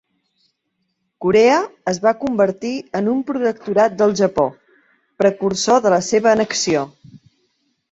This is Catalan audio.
Corea es va convertir en un protectorat del Japó, precursor de la seva annexió.